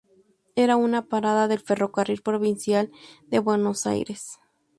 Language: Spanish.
Era una parada del Ferrocarril Provincial de Buenos Aires.